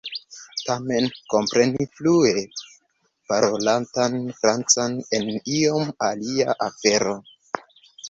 Tamen kompreni flue parolatan Francan jen iom alia afero.